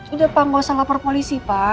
udah pak nggak usah lapor polisi pak